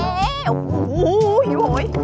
โอ้โฮหิวโหย